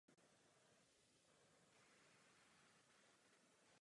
Obyvatelstvo je zcela židovské.